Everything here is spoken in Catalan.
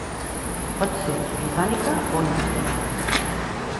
Pot ser botànica o intestinal.